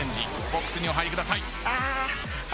ボックスにお入りください。